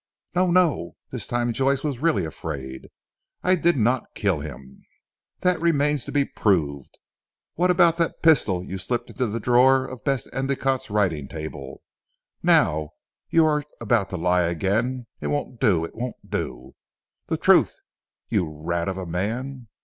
"No! No!" this time Joyce was really afraid. "I did not kill him!" "That remains to be proved. What about that pistol you slipped into the drawer of Bess Endicotte's writing table now, you are about to lie again! It won't do; it won't do. The truth, you rat of a man."